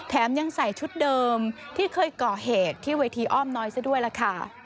ยังใส่ชุดเดิมที่เคยก่อเหตุที่เวทีอ้อมน้อยซะด้วยล่ะค่ะ